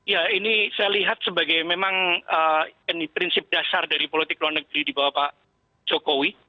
ya ini saya lihat sebagai memang prinsip dasar dari politik luar negeri di bawah pak jokowi